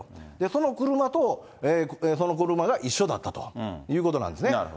その車とその車が一緒だったということなんですね。